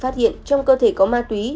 trong cơ thể có ma túy